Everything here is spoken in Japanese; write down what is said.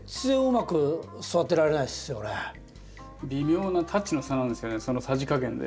微妙なタッチの差なんですよねさじ加減で。